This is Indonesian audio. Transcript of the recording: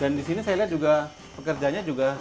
dan di sini saya lihat juga pekerjanya juga